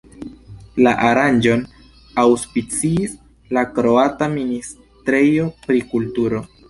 La aranĝon aŭspiciis la kroata Ministrejo pri Kulturo.